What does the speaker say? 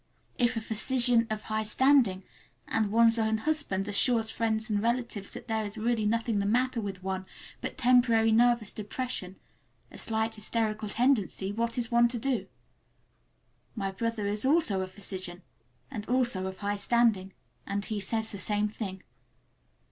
If a physician of high standing, and one's own husband, assures friends and relatives that there is really nothing the matter with one but temporary nervous depression—a slight hysterical tendency—what is one to do? My brother is also a physician, and also of high standing, and he says the same thing.